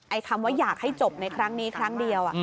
คำว่าอยากให้จบในครั้งนี้ครั้งเดียว